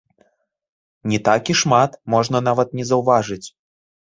Не так і шмат, можна нават не заўважыць.